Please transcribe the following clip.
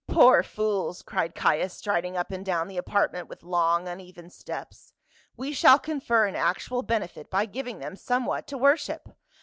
" Poor fools !" cried Caius, striding up and down the apartment with long uneven steps. " We shall confer an actual benefit by giving them somewhat to worship.